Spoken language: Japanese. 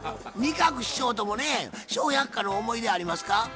仁鶴師匠ともね「笑百科」の思い出ありますか？